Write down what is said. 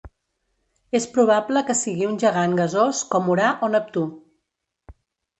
És probable que sigui un gegant gasós com Urà o Neptú.